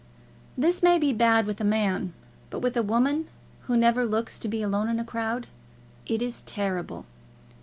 This may be bad with a man, but with a woman, who never looks to be alone in a crowd, it is terrible.